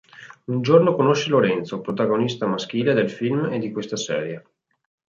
Un giorno conosce Lorenzo, protagonista maschile del film e di questa serie.